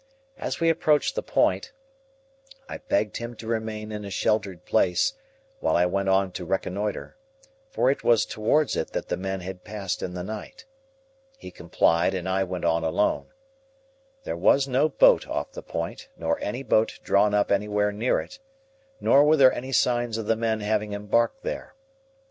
As we approached the point, I begged him to remain in a sheltered place, while I went on to reconnoitre; for it was towards it that the men had passed in the night. He complied, and I went on alone. There was no boat off the point, nor any boat drawn up anywhere near it, nor were there any signs of the men having embarked there.